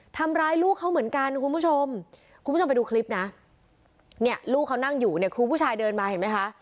ทำร้ายลูกเขาเหมือนกันคุณผู้ชมคุณผู้ชมไปดูคลิปนะเนี่ยลูกเขานั่งอยู่เนี่ยครูผู้ชายเดินมาเห็นไหมคะ